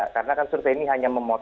karena survei ini hanya memotret